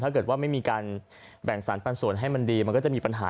ถ้าเกิดว่าไม่มีการแบ่งสรรปันส่วนให้มันดีมันก็จะมีปัญหา